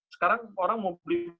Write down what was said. sekarang orang mau beli